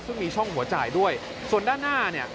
ซึ่งมีช่องหัวจ่ายด้วยส่วนด้านหน้าเนี่ย